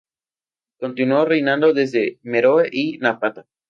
Continuó reinando desde Meroe y Napata.